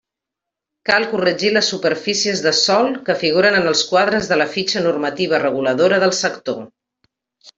Cal corregir les superfícies de sòl que figuren en els quadres de la fitxa normativa reguladora del sector.